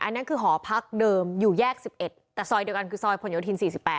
นั่นคือหอพักเดิมอยู่แยก๑๑แต่ซอยเดียวกันคือซอยผลโยธิน๔๘